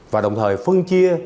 và đồng thời phân chia